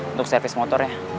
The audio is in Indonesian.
untuk servis motornya